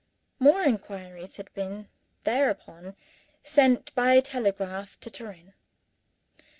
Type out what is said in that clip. More inquiries had been, thereupon, sent by telegraph to Turin.